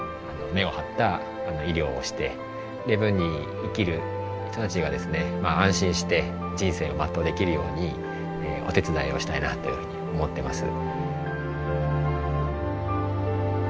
根を張った医療をして礼文に生きる人たちがですね安心して人生を全うできるようにお手伝いをしたいなというふうに思ってます。